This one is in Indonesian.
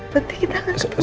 berarti kita akan